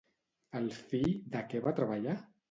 El fill de què va treballar?